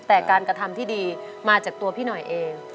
แต่การกระทำที่ดีมาจากตัวพี่หน่อยเอง